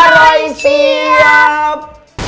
อร่อยเสียบ